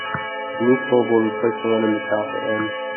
The new scoreboard replaced the one in the south end.